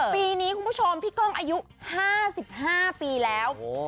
ปีนี้คุณผู้ชมพี่ก้องอายุ๕๕ปีแล้ว